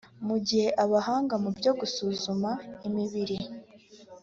mu gihe abahanga mu byo gusuzuma imibiri